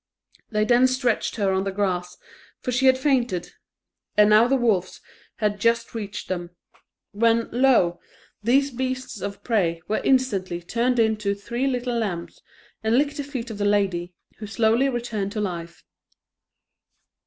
They then stretched her on the grass, for she had fainted; and now the wolves had just reached them, when, lo! these beasts of prey were instantly turned into three little lambs, and licked the feet of the lady, who slowly returned to life.